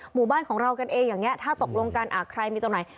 หมู่บ้านของเรากันเองอย่างนี้ถ้าตกลงกันใครมีตรงไหน